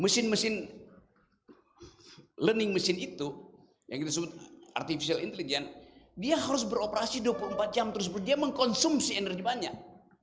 mesin mesin learning mesin itu yang kita sebut artificial intelligence dia harus beroperasi dua puluh empat jam tersebut dia mengkonsumsi energi banyak